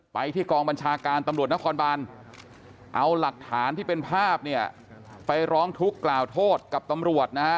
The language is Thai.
ไปที่กองบัญชาการตำรวจนครบานเอาหลักฐานที่เป็นภาพเนี่ยไปร้องทุกข์กล่าวโทษกับตำรวจนะฮะ